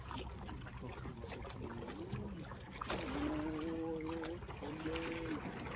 โอ้มายโอ้